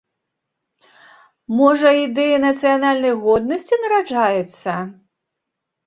Можа, ідэя нацыянальнай годнасці нараджаецца?